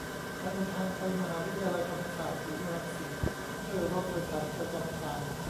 การเดินทางไปมหาวิทยาลัยธรรมศาสตร์ ศูนย์รังสิต ด้วยรถโดยสารประจำทาง